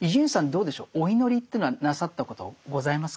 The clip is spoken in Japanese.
どうでしょうお祈りというのはなさったことございますか？